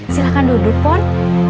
silahkan duduk pon